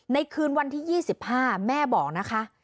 คืนวันที่๒๕แม่บอกนะคะ